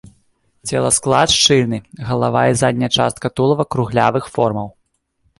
Целасклад шчыльны, галава і задняя частка тулава круглявых формаў.